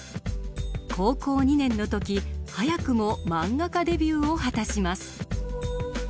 高校２年の時早くもマンガ家デビューを果たします。